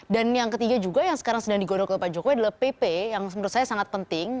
dan yang ketiga juga yang sekarang sedang digodok oleh pak jokowi adalah pp yang menurut saya sangat penting